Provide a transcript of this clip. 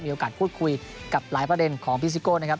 โอกาสพูดคุยกับหลายประเด็นของพี่ซิโก้นะครับ